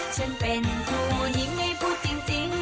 ฉันเป็นผู้นิ่มให้ผู้จริงไหม